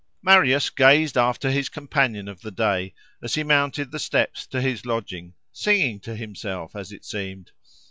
Marius gazed after his companion of the day, as he mounted the steps to his lodging, singing to himself, as it seemed.